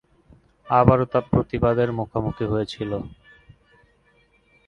আবারও তা প্রতিবাদের মুখোমুখি হয়েছিল।